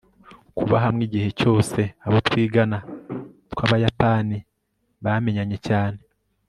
Kuba hamwe igihe cyose abo twigana twabayapani bamenyanye cyane